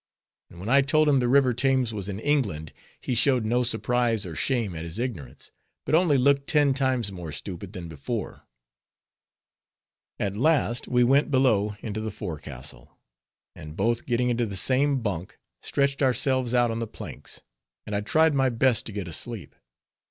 And when I told him the river Thames was in England, he showed no surprise or shame at his ignorance, but only looked ten times more stupid than before. At last we went below into the forecastle, and both getting into the same bunk, stretched ourselves out on the planks, and I tried my best to get asleep.